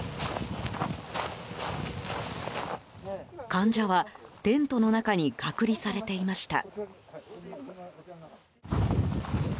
患者はテントの中に隔離されていました。